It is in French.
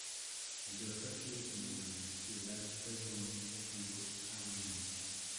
Elle doit s’appuyer son bonhomme, qui est là toute la journée sur son dos, à ruminer.